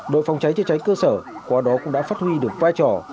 đội phòng cháy chữa cháy cơ sở qua đó cũng đã phát huy được vai trò